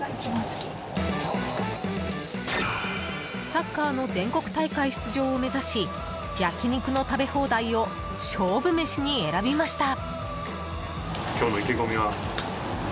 サッカーの全国大会出場を目指し焼き肉の食べ放題を勝負飯に選びました。